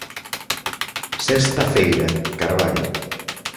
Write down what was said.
Sexta feira, Carballo.